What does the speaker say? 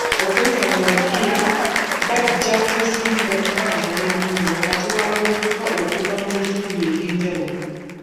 Okuyita mu mupiira, bajja kuzimba enkolagana ennungi wakati w'abavuka okuva mu bitundu eby'enjawulo